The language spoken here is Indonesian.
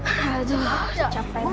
aduh capek banget